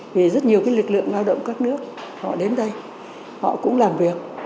vì rất nhiều lực lượng lao động các nước họ đến đây họ cũng làm việc